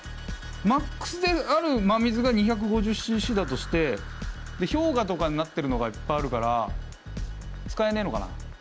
マックスである真水が２５０ｃｃだとしてで氷河とかになってるのがいっぱいあるから使えねえのかな。